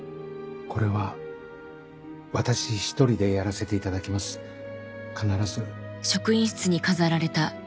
これは私一人でやらせていただきます必ず。